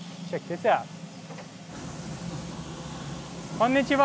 こんにちは！